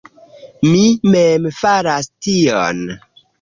Mi mem faras tion.